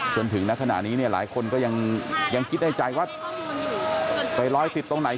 ส่วนถึงขณะนี้หลายคนก็ยังคิดใจว่าไปร้อยติดตรงไหน